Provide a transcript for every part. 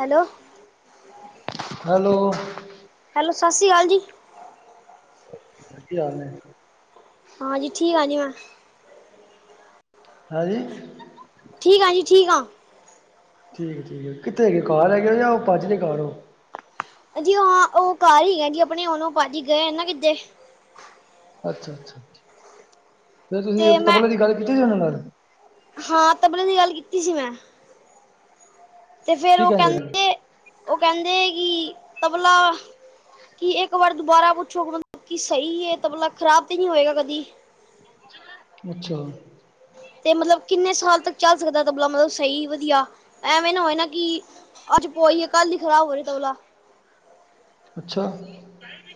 Hello. Hello. Hello ਸਤਿ ਸ਼੍ਰੀ ਅਕਾਲ ਜੀ। ਕੀ ਹਾਲ ਹੈ। ਹਾਂਜੀ ਠੀਕ ਆ ਜੀ ਮੈਂ। ਹਾਂਜੀ। ਠੀਕ ਆ ਜੀ ਠੀਕ ਆ। ਠੀਕ ਹੈ ਠੀਕ ਹੈ ਕਿੱਥੇ ਹੈਗੇ ਹੋ ਘਰ ਹੈਗੇ ਹੋ ਜਾਂ ਉਹ ਭਾਜੀ ਦੇ ਘਰ ਹੋ। ਜੀ ਹਾਂ ਉਹ ਘਰ ਹੀ ਹੈ ਜੀ ਆਪਣੇ ਉਹਨੂੰ ਭਾਜੀ ਗਏ ਨਾ ਕਿਤੇ। ਅੱਛਾ ਅੱਛਾ ਠੀਕ ਹੈ। ਫਿਰ ਤੇ ਤੁਸੀਂ ਮੈਂ ਤਬਲੇ ਦੀ ਗੱਲ ਕੀਤੀ ਸੀ ਉਹਨਾਂ ਨਾਲ। ਹਾਂ ਤਬਲੇ ਦੀ ਗੱਲ ਕੀਤੀ ਸੀ ਮੈਂ ਤੇ ਫਿਰ ਕੀ ਉਹ ਨੇ ਕਹਿੰਦੇ ਉਹ ਕਹਿੰਦੇ ਕਿ ਤਬਲਾ ਕਿ ਇੱਕ ਵਾਰ ਦੁਬਾਰਾ ਪੁੱਛੋ ਮਤਲਬ ਕਿ ਸਹੀ ਹੈ ਤਬਲਾ ਮਤਲਬ ਖ਼ਰਾਬ ਤੇ ਨੀ ਹੋਏਗਾ ਕਦੀ ਅੱਛਾ ਤੇ ਮਤਲਬ ਕਿੰਨੇ ਸਾਲ ਤੱਕ ਚੱਲ ਸਕਦਾ ਤਬਲਾ ਮਤਲਬ ਸਹੀ ਵਧੀਆ ਐਵੇਂ ਨਾ ਹੋਏ ਨਾ ਕਿ ਅੱਜ ਪੋਈਏ ਕੱਲ ਹੀ ਖ਼ਰਾਬ ਹੋ ਜਾਏ ਤਬਲਾ ਅੱਛਾ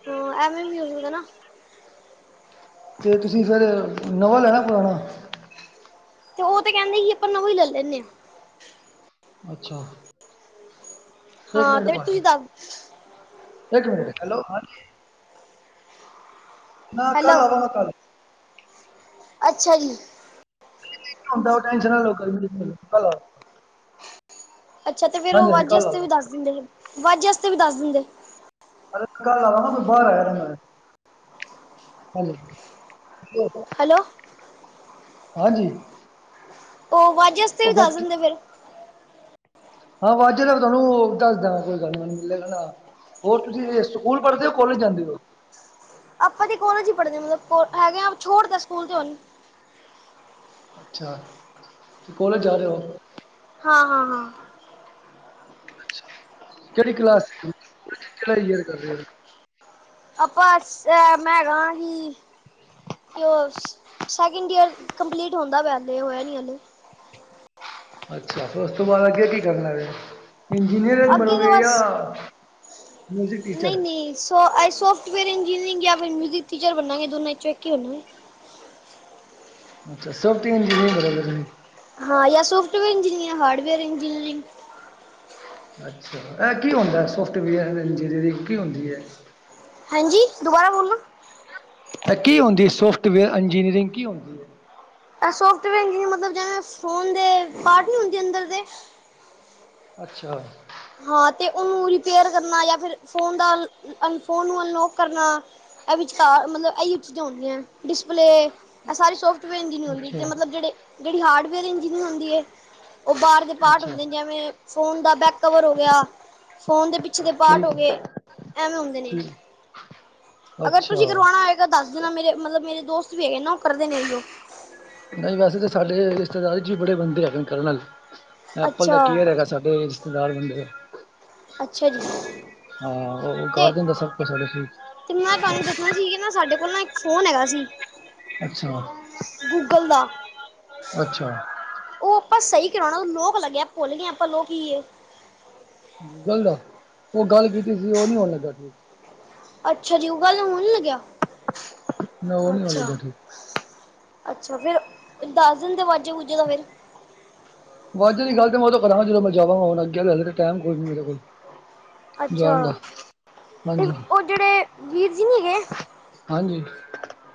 ਹੋਰ ਅਵੇ ਵੀ ਹੋ ਜਾਏਗਾ ਨਾਂ ਅਤੇ ਤੁਸੀਂ ਸਰ ਨਵਾ ਲੈਣਾ ਪੁਰਾਣਾ ਤੇ ਉਹ ਤੇ ਕਹਿੰਦੇ ਹੀ ਆਪਾਂ ਨਵੋਂ ਹੀ ਲੈਂਦੇ ਹਾਂ ਅੱਛਾ ਇੱਕ ਹਾਂ ਮਿੰਟ ਤੇ ਪਾਜੀ ਤੁਸੀਂ ਦੱਸ ਇੱਕ ਮਿੰਟ ਹੈਲੋ ਹਾ ਨਾ ਕੱਲ ਹੈਲੋ ਆਵਾਗਾ ਕੱਲ ਅੱਛਾ ਜੀ ਜਾਦਾ ਟੈਨਸ਼ਨ ਨਾ ਲੌ ਕਲ ਆਵਾ ਅੱਛਾ ਅਤੇ ਫਿਰ ਉਹ ਹਾਂਜੀ ਹਾਂਜੀ ਵਾਜੇ ਕੱਲ ਵਾਸਤੇ ਆਵਾਂਗਾ ਵੀ ਦੱਸ ਦਿੰਦੇ ਵਾਜੇ ਵਾਸਤੇ ਵੀ ਦੱਸ ਦਿੰਦੇ ਅਰੇ ਕੱਲ ਆਵਾਗਾ ਮੈ ਬਾਹਰ ਆਇਆ ਦਾ ਮੈ ਹੰਜੀ ਹੈਲੋ ਹਾਂਜੀ ਉਹ ਵਾਜੇ ਵਾਸਤੇ ਉਹ ਵੀ ਦੱਸ ਫੈਕਟਰੀ ਦਿੰਦੇ ਫੇਰ ਹਾਂ ਵਾਜੇ ਦਾ ਤੁਹਾਨੂੰ ਦੱਸ ਦਵਾਗਾ ਕੋਈ ਗੱਲ ਨਈ ਮੈਨੂੰ ਮਿਲੇਗਾ ਨਾ ਹੋਰ ਤੁਸੀਂ ਸਕੂਲ ਪੜ੍ਹਦੇ ਹੋ ਕੋਲੇਜ ਜਾਂਦੇ ਹੋ ਆਪਾਂ ਤੇ ਕਾਲੇਜ ਚ ਹੀ ਪੜ੍ਹਦੇ ਹ ਮਤਲਬ ਹੈਗੇ ਆ ਛੋਟ ਤਾਂ ਸਕੂਲ ਅੱਛਾ ਤੁ ਕੋਲੇਜ ਜਾ ਰਹੇ ਹੋ ਹਾਂ, ਹਾਂ, ਹਾਂ ਕਿਹੜੀ ਕਲਾਸ ਚ ਹੋ ਕੇੜਾ ਈਅਰ ਕਰ ਰਹੇ ਹੋ ਆਪਾਂ ਸੈ ਮੈਂਗਾਾਂ ਨਿ ਉਹ ਸੈਕਿੰਡ ਈਅਰ ਕੰਪਲੀਟ ਹੁੰਦਾ ਪਿਆ ਹਲੇ ਹੋਇਆ ਨਹੀਂ ਹਾਲੇ ਅੱਛਾ ਫੇਰ ਉਸ ਤੋਂ ਬਾਅਦ ਅੱਗੇ ਕੀ ਕਰਨਾ ਜੇ ਇੰਜਨੀਅਰ ਅੱਗੇ ਤੇ ਬਣੂਗੇ ਯ ਬਸ ਮਿਊਜ਼ਿਕ ਟੀਚਰ ਤੋ ਆ ਸੋਫਟ ਵੇਅਰ ਇੰਜਨੀਅਰਿੰਗ ਜਾਂ ਫਿਰ ਮਿਊਜਿਕ ਟੀਚਰ ਬੰਨਾਗੇ ਦੋਨਾਂ ਚੋਂ ਇੱਕ ਹੀ ਬਣਾਂਗੇ। ਅੱਛਾ ਸੋਫਟ ਇੰਜੀਨੀਅਰ ਬਣੋਗੇਜੀ ਹਾਂ ਯਾ ਸੋਫਟਵੇਅਰ ਇੰਜੀਨੀਅਰਿੰਗ ਯਾ ਹਾਰਡਵੇਅਰ ਇੰਜੀਨੀਅਿੰਗ। ਅੱਛਾ ਇਹ ਕੀ ਹੁੰਦਾ ਸੋਫਟਵੇਅਰ ਇੰਜੀਨੀਅਰਿੰਗ, ਕੀ ਹੁੰਦੀ ਹੈ? ਹਾਂਜੀ ਦੁਬਾਰਾ ਬੋਲਨਾ ਏ ਕੀ ਹੁੰਦੀ, ਸੋਫਟਵੇਅਰ ਇੰਜੀਨੀਅਰਿੰਗ ਕੀ ਹੁੰਦੀ ਹੇ? ਏ ਸੋਫਟਵੇਅਰ ਇਨਜੀਨਰਿੰਗ ਮਤਲਬ ਜਿਵੇਂ ਫੋਨ ਦੇ ਪਾਰਟ ਨੀ ਹੁੰਦੇ ਅੰਦਰ ਦੇ। ਅੱਛਾ ਹਾਂ, ਤੇ ਉਹਨੂੰ ਰਿਪੇਅਰ ਕਰਨਾ ਜਾਂ ਫਿਰ ਫੋਨ ਦਾ ਅਨ ਫੋਨ ਨੂੰ ਅਨਲੋਕ ਕਰਨਾ ਇਹ ਵਿਚਕਾਰ ਮਤਲਬ ਇਹੀ ਚੀਜ਼ਾਂ ਹੁੰਦੀਆਂ। ਡਿਸਪਲੇ ਇਹ ਸਾਰੇ ਸੋਫਟਵੇਅਰ ਇੰਜੀਨਅਰ ਹੁੰ ਜ ਅੱਛਾ ਮਤਲਬ ਜਹੜੇਿਹੜੀ ਹਾਰਡਵੇਅਰ ਇੰਜੀਨਅਰ ਰੁੰਦੀ ਹੈ। ਉਹ ਬਾਹਰ ਦੇ ਪਾਰਟ ਅੱਛਾ ਹੁੰਦੇ ਨੇ ਜਿਵੇਂ ਫੋਨ ਦਾ ਬੈਕ ਕਵਰ ਹੋ ਗਿਆ ਫੋਨ ਦੇ ਪਿੱਛੇ ਦੇ ਪਾਰਟ ਹੋ ਠੀਕ ਗਏ ਹੈ, ਐਵੇਂ ਹੁੰਦੇ ਨੇ ਠੀਕ ਅਗਰ ਤੁਸੀਂ ਅੱਛਾ ਕਰਵਾਉਣਾ ਹੋਏਗਾ ਦੱਸ ਦੇਣਾ ਮੇਰੇ ਮਤਲਬ ਮੇਰੇ ਦੋਸਤ ਵੀ ਹੈਗੇ ਨਾ ਉਹ ਕਰਦੇ ਅਹਿਹੋ ਨਹੀਂ ਵੈਸੇ ਤਾਂ ਸਾਡੇ ਰਿਸ਼ਤੇਦਾਰ ਚ ਵੀ ਬੜੇ ਬੰਦੇ ਹੈਗੇ ਕਰਨ ਨਾਲ ਐਪਲ ਦਾ ਅੱਛਾ ਕੇਅਰ ਹੈਗਾ ਸਾਡੇ ਰਿਸ਼ਤੇਦਾਰ ਬੰਦੇ ਆ ਅੱਛਾ ਜੀ ਹਾਂ ਉਹ ਕਰ ਤੇ ਦਿੰਦਾ ਸਭ ਕੁਛ ਠੀਕ ਤੇ ਮੈਂ ਤੁਹਾਨੂੰ ਦੱਸਣਾ ਸੀ ਕਿ ਨਾ ਸਾਡੇ ਕੋਲ ਨਾ ਇੱਕ ਫੋਨ ਹੈਗਾ ਸੀ ਅੱਛਾ ਗੂਗਲ ਦਾ ਅੱਛਾ ਉਹ ਆਪਾਂ ਸਹੀ ਕਰਉਣਾ ਲੋਕ ਲੱਗਿਆ ਭੁੱਲ ਗਏ ਆਪਾਂ ਲੋਕ ਕੀਏ ਗੂਗਲ ਦਾ ਉਹ ਗੱਲ ਕੀਤੀ ਸੀ ਉਹ ਨੀ ਹੋਣ ਲੱਗਾ ਠੀਕ ਅੱਛਾ ਜੀ ਊਗਲ ਹੋਣ ਨੀ ਲੱਗਿਆ ਨਾ ਉਹ ਨਹੀਂ ਹੋਣ ਅੱਛਾ ਲੱਗਾ ਠੀਕ ਅੱਛਾ ਫੇਰ, ਦੱਸ ਦਿਨਦੇ ਵਾਜੇ ਬੂਜੇ ਦਾ ਫੇਰ ਵਾਜੇ ਤੀ ਗੱਲ ਤੇ ਮੈਂ ਉਦੋਂ ਕਰਾਂਗਾ ਜਦੋਂ ਮੈਂ ਜਾਵਗਾ। ਹੁਣ ਅੱਗੇ ਤੇ, ਹਜੇ ਤੇ ਟਾਈਮ ਕੋਈ ਨ ਮੇਰੇ ਕੋਲ। ਜਾਣ ਦਾ ਅੱਛਾ ਤੇ ਹਾਂਜੀ ਉਹ ਜਿਹੜੇ ਵੀਰ ਜੀ ਨਹੀਂ ਹੈਗੇ ਹਾਂਜੀ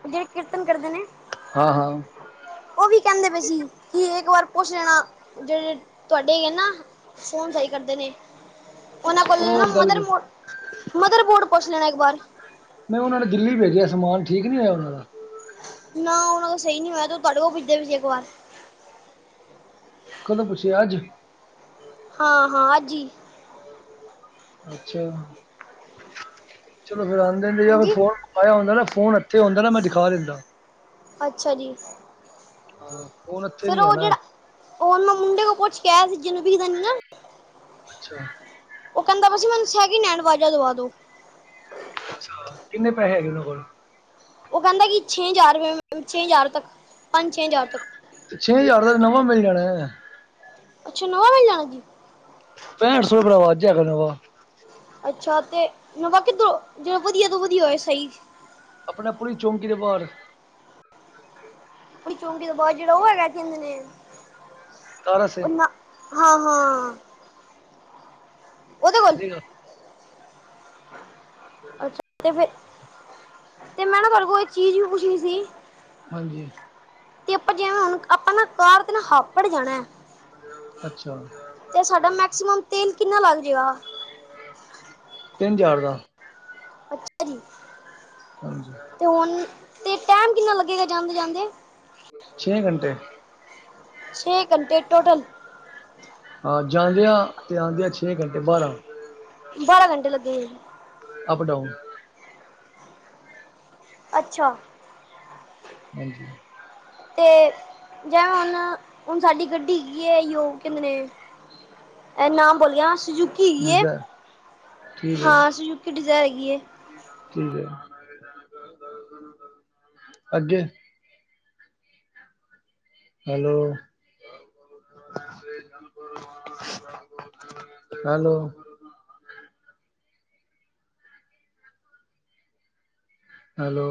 ਜਿਹੜੇ ਕੀਰਤਨ ਕਰਦੇ ਨੇ ਹਾਂ ਹਾਂ ਉਹ ਵੀ ਕਹਿੰਦੇ ਪਏ ਸੀ ਕਿ ਇੱਕ ਵਾਰ ਪੁੱਛ ਲੈਣਾ। ਜਿਹੜੇ ਤੁਹਾਡੇ ਹੀ ਹੈ ਨਾ ਫੋਨ ਸਹੀ ਕਰਦੇ ਨੇ। ਉਹਨਾਂ ਅੱਛਾ, ਕੋਲ ਉਹ ਨਾ ਗੱਲ ਮਦਰ ਕੀਤੀ ਮੋ ਮਦਰ ਬੋਰਡ ਪੁੱਛ ਲੈਣਾ ਇੱਕ ਵਾਰ। ਮੈਂ ਉਹਨਾਂ ਨੇ ਦਿੱਲੀ ਭੇਜਿਆ ਸਮਾਨ, ਠੀਕ ਨਹੀਂ ਹੋਇਆ ਉਹਨਾਂ ਦਾ? ਨਾ ਉਹਨਾਂ ਦਾ ਸਹੀ ਨੀ ਹੋਇਆ ਤੂੰ ਤੁਹਾਡੇ ਕੋਲ ਪੁੱਛਦੇ ਪਏ ਸੀ ਇੱਕ ਵਾਰ। ਕਦੋਂ ਪੁੱਛਿਆ, ਅੱਜ? ਹਾਂ ਹਾਂ ਅੱਜ ਹੀ। ਅੱਛਾ ਚਲੋ ਫੇਰ ਆਂਦੇ ਹਾਂਜੀ ਫੋਨ ਪਾਇਆ ਹੁੰਦਾ ਨਾ, ਫੋਨ ਇੱਥੇ ਹੁੰਦਾ ਨਾ, ਮੈਂ ਦਿਖਾ ਦੇਂਦਾ। ਅੱਛਾ ਜੀ। ਹਾਂ ਫੋਨ ਹੱਥੇ ਫੇਰ ਨੀ ਆ ਉਹ ਨਾ ਜਿਹੜਾ, ਉਹਨੂੰ ਮੁੰਡੇ ਕੋਲ ਪੁੱਛ ਕੇ ਆਇਆ ਸੀ, ਜਿਹਨੂੰ ਬਿਖਦਾ ਨੀ ਨਾ। ਅੱਛਾ ਉਹ ਕਹਿੰਦਾ ਪਯਾ ਸੀ ਮੈਨੂੰ ਸੈਕਿੰਡ ਹੈਂਡ ਵਾਜਾ ਦਵਾ ਦੋ। ਅੱਛਾ ਕਿੰਨੇ ਪੈਸੇ ਹੈਗੇ ਉਹਨਾਂ ਕੋਲ? ਉਹ ਕਹਿੰਦਾ ਕਿ ਛੇ ਹਜ਼ਾਰ ਏ ਛੇ ਹਜ਼ਾਰ ਤੱਕ ਪੰਜ ਛੇ ਹਜ਼ਾਰ ਤੱਕ ਛੇ ਹਜ਼ਾਰ ਦਾ ਤੇ ਨਵਾਂ ਮਿਲ ਜਾਣਾ ਏ। ਅੱਛਾ ਨੋਵਾ ਮਿਲ ਜਾਣਾ ਜੀ। ਪੈਂਹਠ ਸੋ ਰੁਪਏ ਦਾ ਵਾਜਾ ਹੈਗਾ ਵੇ ਨਵਾ। ਅੱਛਾ ਤੇ ਮਤਲਬ, ਜਿਵੇਂ ਵਧੀਆ ਤੋਂ ਵਧੀਆ ਹੋਏ ਸਹੀ ਆਪਣਾ ਪੁਲਿਸ ਚੌਂਕੀ ਦੇ ਬਾਹਰ ਪੁਲਿਸ ਚੌਂਕੀ ਤੋਂ ਬਾਹਰ ਜਿਹੜਾ ਉਹ ਹੈਗਾ ਹੈ? ਤਾਰਾ ਉਹ ਸਿੰਘ ਨਾ ਹਾਂ, ਹਾਂ ਉਹਦੇ ਕੋਲ [inaudible] ਅੱਛਾ ਤੇ ਫਿਰ, ਤੇ ਮੈਂ ਨਾ ਤੁਹਾਡੇ ਕੋਲ ਇਕ ਚੀਜ਼ ਵੀ ਪੁੱਛਣੀ ਸੀ ਹਾਂਜੀ ਤੇ ਆਪਾਂ ਜਿਵੇਂ ਹੁ ਆਪਾਂ ਨਾ ਕਾਰ ਤੇ ਨਾ ਹਾਪੜ ਜਾਣਾ ਹੈ ਅੱਛਾ ਤੇ ਸਾਡਾ ਮੈਕਸੀਮਮ ਤੇਲ ਕਿੰਨਾ ਲੱਗ ਜਾਏਗਾ। ਤਿੰਨ ‌‍ਹਜਾਰ ਦਾ ਅੱਛਾ ਜੀ ਹਾਂਜੀ ਤੇ ਤੇ ਟਾਈਮ ਕਿੰਨਾ ਲੱਗੇਗਾ ਜਾਂਦੇ- ਜਾਂਦੇ ਛੇ ਘੰਟੇ ਛੇ ਘੰਟੇ ਟੋਟਲ। ਹਾਂ, ਜਾਂਦਿਆ ਤੇ ਆਉਂਦਿਆ ਛੇ ਘੰਟੇ, ਬਾਰਾਂ। ਬਾਰਾਂ ਘੰਟੇ ਲੱਗੇ ਹੋਏ ਨੇ। Up down. ਅੱਛਾ ਹਾਂਜੀ। ਤੇ ਜਾਣਾ ਹੁਣ, ਹੁਣ ਸਾਡੀ ਗੱਡੀ ਕੀ ਹੈ, ਯੋ ਕਿਧਰੇ ਏ ਨਾਮ ਭੁੱਲ ਗਿਆ ਹਾਂ। ਸੁਜੂਕੀ ਹੈਗੀ ਹੈ, ਵੀਜ਼ਾ ਠੀਕ ਹੈ ਹਾਂ ਸੁਜੂਕੀ ਡਿਜ਼ਾਇਰ ਹੈਗੀ ਹੈ। ਠੀਕ ਹੈ। ਅੱਗੇ ਹੈਲੋ ਹੈਲੋ ਹੈਲੋ